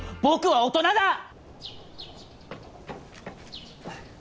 僕は大人だ！